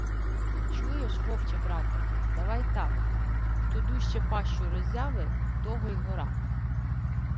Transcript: «Чуєш, вовче-брате, давай так: хто дужче пащу роззяве, того й гора».